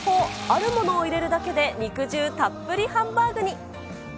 あるものを入れるだけで、肉汁たっぷりハンバーグに。